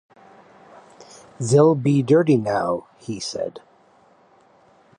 “They’ll be dirty now,” he said.